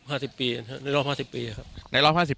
เอาละ๕๐ปีครับ